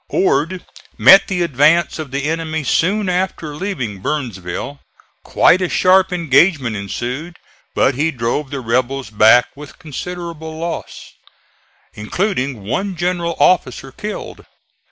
Ord met the advance of the enemy soon after leaving Burnsville. Quite a sharp engagement ensued, but he drove the rebels back with considerable loss, including one general officer killed.